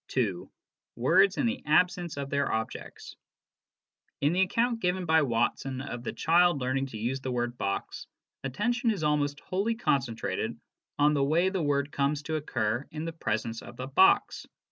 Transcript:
(2) Words in the Absence of their Objects. In the account given by Watson of the child learning to use the word " box," attention is almost wholly concentrated on the way the word comes to occur in the presence of the box.